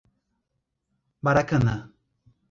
Maracanã